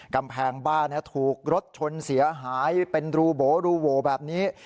กำแพงบ้านถูกรถชนเสียหายเป็นรูโบรูโหวแบบนี้